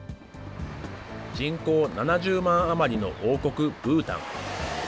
人口７０万余りの王国、ブータン。